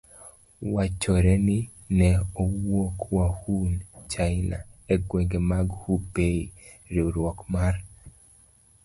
Wachore ni ne owuok Wuhan, China, e gwenge mag Hubei: Riwruok mar